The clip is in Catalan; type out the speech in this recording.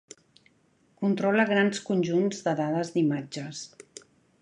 Controla grans conjunts de dades d'imatges.